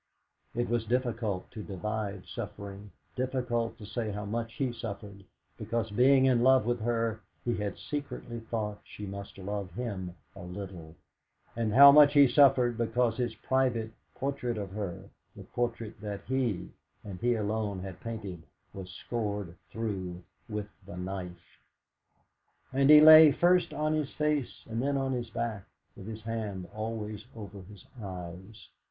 It is difficult to divide suffering, difficult to say how much he suffered, because, being in love with her, he had secretly thought she must love him a little, and how much he suffered because his private portrait of her, the portrait that he, and he alone, had painted, was scored through with the knife. And he lay first on his face, and then on his back, with his hand always over his eyes.